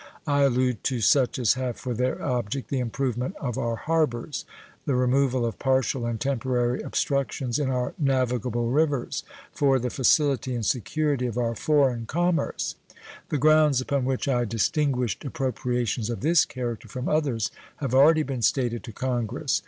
I allude to such as have for their object the improvement of our harbors, the removal of partial and temporary obstructions in our navigable rivers, for the facility and security of our foreign commerce. The grounds upon which I distinguished appropriations of this character from others have already been stated to Congress.